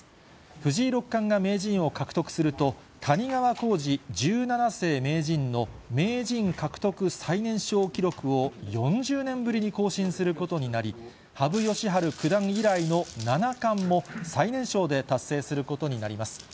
藤井六冠が名人を獲得すると、谷川浩司十七世名人の名人獲得最年少記録を４０年ぶりに更新することになり、羽生善治九段以来の七冠も最年少で達成することになります。